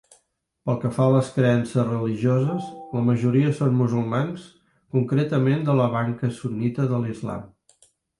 Pel que fa a les creences religioses, la majoria són musulmans, concretament de la banca sunnita de l'islam.